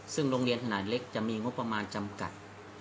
ซึ่งโรงเรียนขนาดเล็กจะมีงบประมาณจำกัด